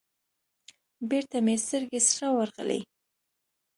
بېرته مې سترگې سره ورغلې.